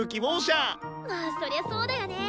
まあそりゃそうだよね。